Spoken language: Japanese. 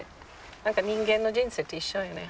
何か人間の人生と一緒よね。